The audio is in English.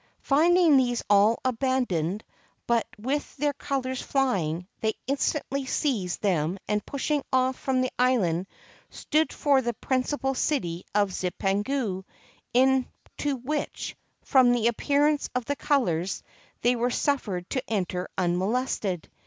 Finding these all aban doned, but with their colors flying, they instantly seized them, and pushing off from the island, stood for the prin cipal city of Zipangu, into which, from the appearance of the colors, they were suffered to enter unmolested.